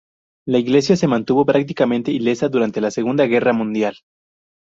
La iglesia se mantuvo prácticamente ilesa durante la Segunda Guerra Mundial.